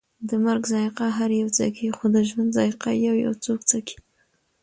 د مرګ ذائقه هر یو څکي، خو د ژوند ذائقه یویو څوک څکي